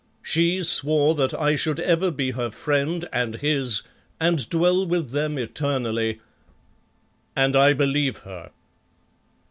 She swore that I should ever be her friend and his and dwell with them eternally, and I believe her.